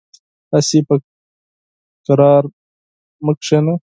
هسې په قرار مه کېنه .